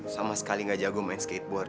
sama sekali gak jago main skateboard